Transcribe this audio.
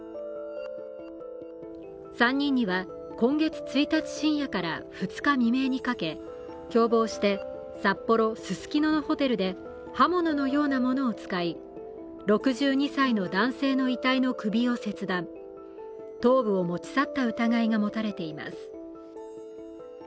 ３人には、今月１日深夜から２日未明にかけ共謀して、札幌・ススキノのホテルで刃物のようなものを使い６２歳の男性の遺体の首を切断頭部を持ち去った疑いが持たれています。